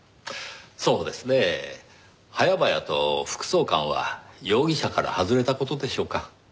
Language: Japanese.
そうですねぇ早々と副総監は容疑者から外れた事でしょうか。